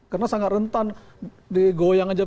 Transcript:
karena sangat rentan digoyang aja